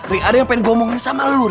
ri ada yang pengen ngomongin sama lu